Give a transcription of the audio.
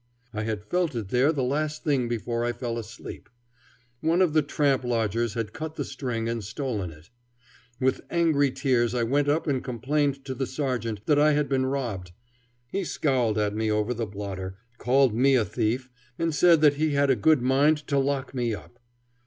I had felt it there the last thing before I fell asleep. One of the tramp lodgers had cut the string and stolen it. With angry tears I went up and complained to the sergeant that I had been robbed. He scowled at me over the blotter, called me a thief, and said that he had a good mind to lock me up.